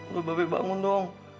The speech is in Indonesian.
lu mbak be bangun dong